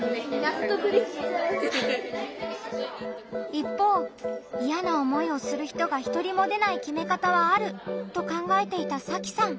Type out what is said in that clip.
一方イヤな思いをする人が１人も出ない決め方はあると考えていたさきさん。